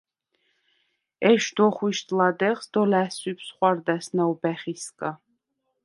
ეშდუ̂ოხუ̂იშდ ლადეღს დოლა̈სუ̂იფს ხუ̂არდა̈ს ნაუბა̈ხისგა.